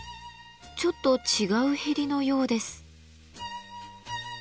ちょっと違うへりのようです。